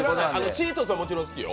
チートスはもちろん好きよ。